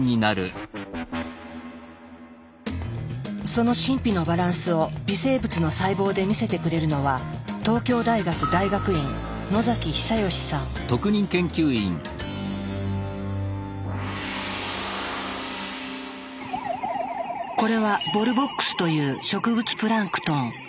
その神秘のバランスを微生物の細胞で見せてくれるのはこれはボルボックスという植物プランクトン。